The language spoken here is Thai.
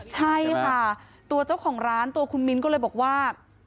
ใช่ค่ะตัวเจ้าของร้านตัวคุณมิ้นก็เลยบอกว่า